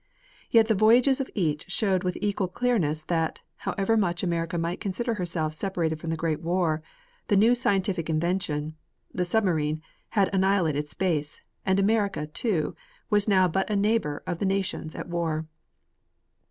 Yet the voyages of each showed with equal clearness that, however much America might consider herself separated from the Great War, the new scientific invention, the submarine, had annihilated space, and America, too, was now but a neighbor of the nations at war.